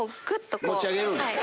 持ち上げるんですか？